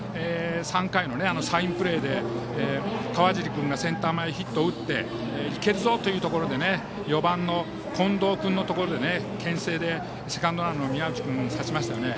３回のサインプレーで川尻君がセンター前ヒットを打っていけるぞ！というところで４番の近藤君のところでけん制でセカンドの宮内君を刺しましたよね。